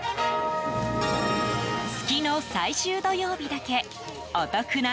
月の最終土曜日だけお得な